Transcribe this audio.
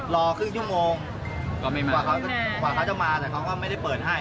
รอครึ่งชั่วโมงก็ไม่มากกว่าเขาจะมาแต่เขาก็ไม่ได้เปิดให้